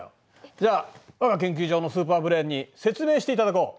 じゃわが研究所のスーパーブレーンに説明していただこう。